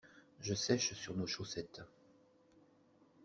Je sèche sur nos chaussettes.